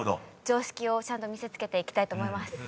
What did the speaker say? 常識をちゃんと見せつけていきたいと思います。